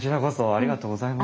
ありがとうございます。